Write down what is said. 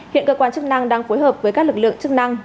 hiện cơ quan chức năng đang phối hợp với các lực lượng chức năng